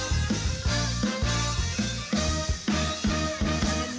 อีกนิดนานและห่างอีกสักนิด